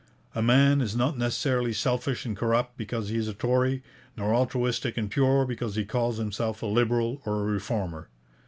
A man is not necessarily selfish and corrupt because he is a Tory, nor altruistic and pure because he calls himself a Liberal or a Reformer.